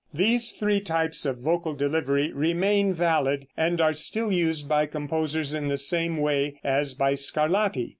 These three types of vocal delivery remain valid, and are still used by composers in the same way as by Scarlatti.